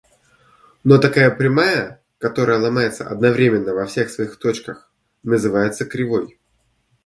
Но такая прямая, которая ломается одновременно во всех своих точках, называется кривой.